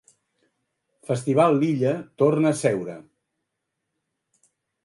Festival l'Illa torna a seure.